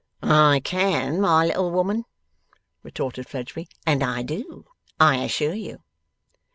'I can, my little woman, retorted Fledgeby, 'and I do, I assure you.